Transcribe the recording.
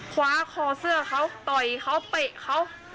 คว้าคอเสื้อเขาต่อยเขาเตะเขา